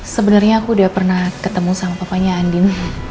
sebenernya aku udah pernah ketemu sama papanya andin